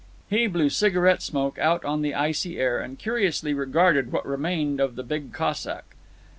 He blew cigarette smoke out on the icy air, and curiously regarded what remained of the big Cossack.